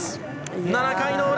７回の裏。